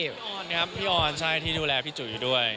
พี่ออนครับพี่ออนใช่ที่ดูแลพี่จุ๋ยอยู่ด้วย